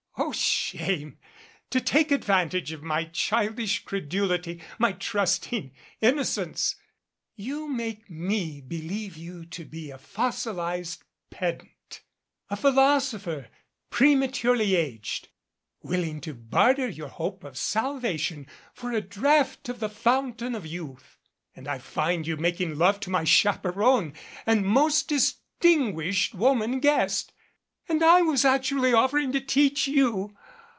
"Oh shame! To take advantage of my childish credulity my trusting innocence. You make me believe you to be a fossilized pedant a philosopher prematurely aged willing to barter your hope of salvation for a draught of the Fountain of Youth and I find you making love to my chaperon and most distinguished woman guest ! And I was actually offering to teach you!